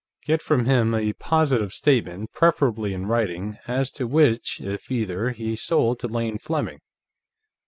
Get from him a positive statement, preferably in writing, as to which, if either, he sold to Lane Fleming.